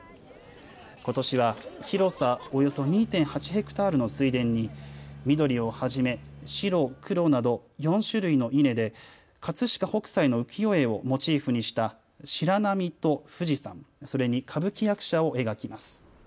ことしは広さおよそ２．８ｈａの水田に緑をはじめ白、黒など４種類の稲で葛飾北斎の浮世絵をモチーフにした白波と富士山、それに歌舞伎役者を描きます。